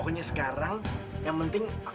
aku emang gak berguna